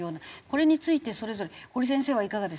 これについてそれぞれ堀先生はいかがですか？